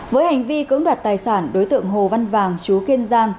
với hành vi cưỡng đoạt tài sản đối tượng hồ văn vàng chú kiên giang